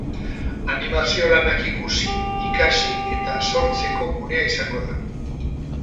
Animazio lanak ikusi, ikasi eta sortzeko gunea izango da.